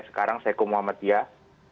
sekarang seku muhammadiyah